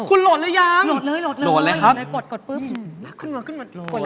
คุณโหลดแล้วยังโหลดเลยครับโหลดเลย